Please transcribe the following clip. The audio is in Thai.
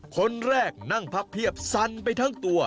คนแรกนั่งพับเพียบสั่นไปทั้งตัว